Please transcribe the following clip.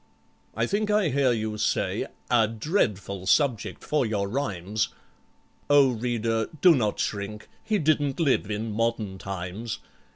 I think I hear you say, "A dreadful subject for your rhymes!" O reader, do not shrink—he didn't live in modern times!